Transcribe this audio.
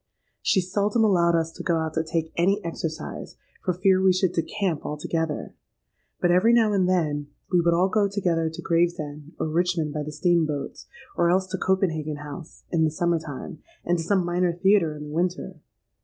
She seldom allowed us to go out to take any exercise, for fear we should decamp altogether; but every now and then we would all go together to Gravesend or Richmond by the steam boats, or else to Copenhagen House, in the summer time, and to some minor theatre in the winter.